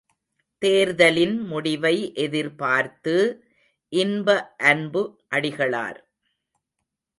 தேர்தலின் முடிவை எதிர்பார்த்து...... இன்ப அன்பு அடிகளார்